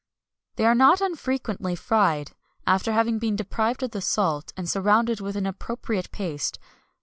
They are not unfrequently fried, after having been deprived of the salt, and surrounded with an appropriate paste.